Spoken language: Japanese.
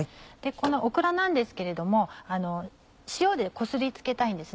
オクラなんですけれども塩でこすり付けたいんです。